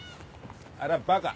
あれはバカ。